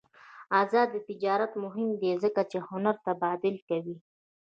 آزاد تجارت مهم دی ځکه چې هنر تبادله کوي.